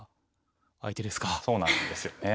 そうなんですよね。